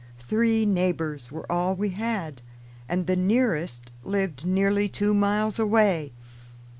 Three neighbors were all we had, and the nearest lived nearly two miles away.